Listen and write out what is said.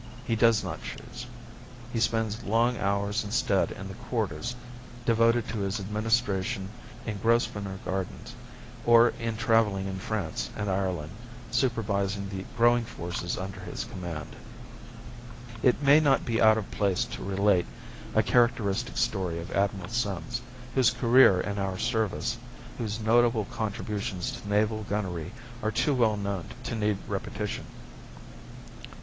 He does not choose. He spends long hours instead in the quarters devoted to his administration in Grosvenor Gardens, or in travelling in France and Ireland supervising the growing forces under his command. It may not be out of place to relate a characteristic story of Admiral Sims, whose career in our service, whose notable contributions to naval gunnery are too well known to need repetition.